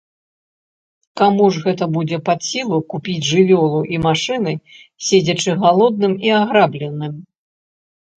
Каму ж гэта будзе пад сілу купіць жывёлу і машыны, седзячы галодным і аграбленым?